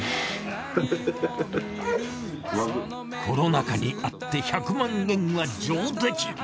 コロナ禍にあって１００万円は上出来！